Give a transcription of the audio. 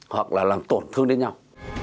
hoặc là làm tổn thương đến nhau